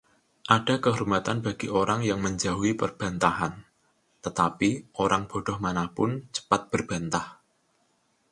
Ada kehormatan bagi orang yang menjauhi perbantahan, tetapi orang bodoh mana pun cepat berbantah.